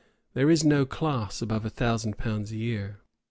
There is no class above a thousand pounds a year.